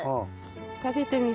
たべてみる？